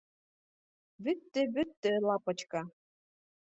Бөттө, бөттө, лапочка